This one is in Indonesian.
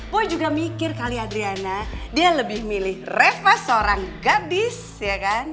gue juga mikir kali adriana dia lebih milih reva seorang gadis ya kan